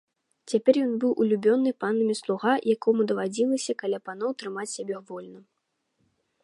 Цяпер ён быў улюбёны панамі слуга, яму дазвалялася каля паноў трымаць сябе вольна.